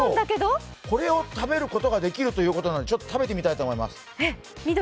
これを食べることができるということで食べてみたいと思います。